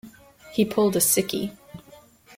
He pulled a sickie.